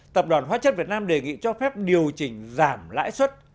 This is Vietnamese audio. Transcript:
tập đoàn hóa chất việt nam đề nghị cho phép điều chỉnh giảm lãi suất